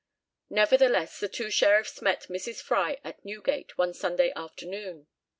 Nevertheless, the two sheriffs met Mrs. Fry at Newgate one Sunday afternoon.